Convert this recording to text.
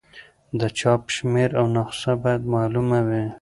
د چاپ شمېر او نسخه باید معلومه وي.